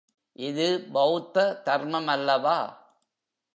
இது பௌத்த தர்மமல்லவா!